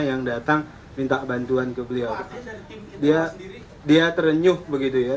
yang datang minta bantuan ke beliau dia terenyuh begitu ya